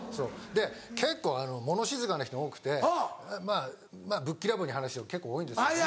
で結構物静かな人が多くてまぁぶっきらぼうに話す人も結構多いんですけども。